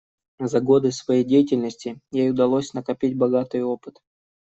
За годы своей деятельности ей удалось накопить богатый опыт.